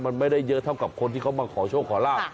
มันไม่ได้เยอะเท่ากับคนที่เขามาขอโชคขอลาบ